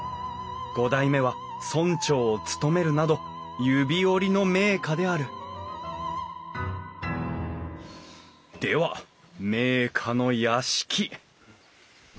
五代目は村長を務めるなど指折りの名家であるでは名家の屋敷。